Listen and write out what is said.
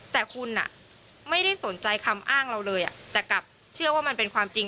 แต่คุณไม่ได้สนใจคำอ้างเราเลยแต่กลับเชื่อว่ามันเป็นความจริง